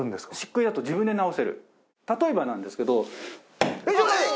例えばなんですけど。